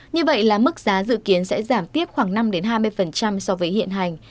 như vậy là mức giá dự kiến sẽ giảm tiếp khoảng năm hai mươi so với hiện hành